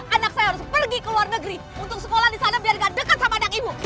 anak saya harus pergi ke luar negeri untuk sekolah di sana biarkan dekat sama anak ibu